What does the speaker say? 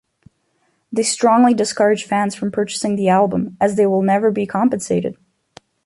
They strongly discourage fans from purchasing the album, as they will never be compensated.